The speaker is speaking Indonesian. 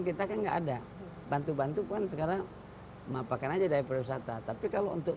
kita kan enggak ada bantu bantukan sekarang mapakan aja dari perusahaan tapi kalau untuk